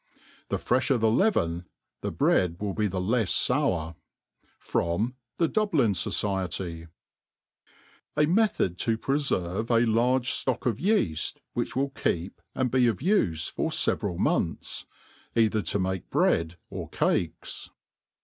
The frefher the leaven, the bread will be the lefs (bun From the Dublin Society, AMithad.to pnferve a large Stock of Yeaji^ which will keep and be '\ ^f '{A f^^ Several Montbsy either to make Bread er Cakes.